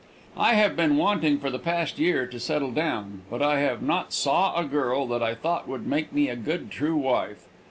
"I have been wanting for the past year to settle down, but I have not saw a girl that I thought would make me a good, true wife.